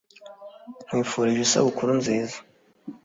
nkwifurije isabukuru nziza.